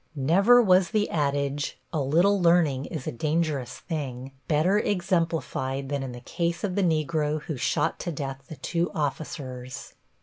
Never was the adage, "A little learning is a dangerous thing," better exemplified than in the case of the negro who shot to death the two officers.